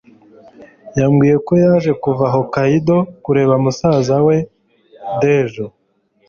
yambwiye ko yaje kuva hokkaido kureba musaza we. (dejo